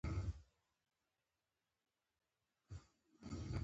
اوس په ویښه ورته ګورم ریشتیا کیږي مي خوبونه